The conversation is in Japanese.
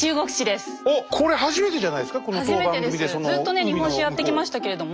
ずっとね日本史やってきましたけれども。